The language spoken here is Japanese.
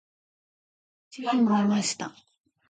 地図を見ました。